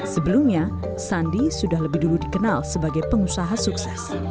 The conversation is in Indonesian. sebelumnya sandi sudah lebih dulu dikenal sebagai pengusaha sukses